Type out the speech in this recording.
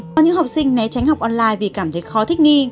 có những học sinh né tránh học online vì cảm thấy khó thích nghi